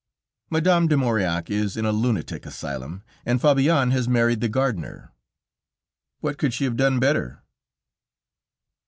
Madame de Maurillac is in a lunatic asylum, and Fabienne has married the gardener. What could she have done better?